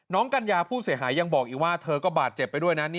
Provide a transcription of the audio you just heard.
กัญญาผู้เสียหายยังบอกอีกว่าเธอก็บาดเจ็บไปด้วยนะ